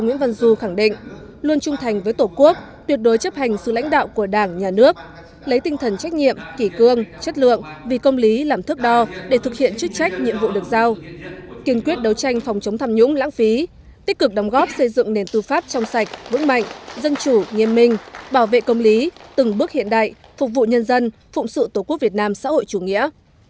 nguyễn văn du khẳng định luôn trung thành với tổ quốc tuyệt đối chấp hành sự lãnh đạo của đảng nhà nước lấy tinh thần trách nhiệm kỷ cương chất lượng vì công lý làm thước đo để thực hiện chức trách nhiệm vụ được giao kiên quyết đấu tranh phòng chống tham nhũng lãng phí tích cực đóng góp xây dựng nền tư pháp trong sạch vững mạnh dân chủ nghiêm minh bảo vệ công lý từng bước hiện đại phục vụ nhân dân phụng sự tổ quốc việt nam xã hội chủ nghĩa